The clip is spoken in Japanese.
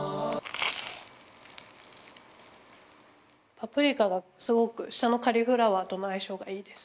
パプリカがすごく下のカリフラワーとのあいしょうがいいです。